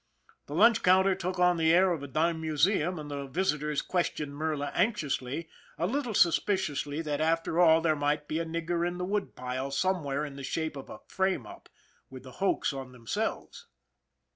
The lunch counter took on the air of a dime museum, and the visitors questioned Merla anxiously, a little suspicious that after all there might be a nigger in the woodpile somewhere in the shape of a " frame up " with the hoax on themselves.